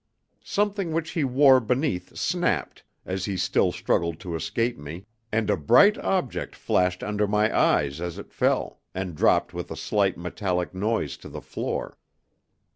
Something which he wore beneath snapped, as he still struggled to escape me, and a bright object flashed under my eyes as it fell, and dropped with a slight metallic noise to the floor.